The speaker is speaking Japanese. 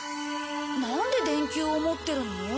なんで電球を持ってるの？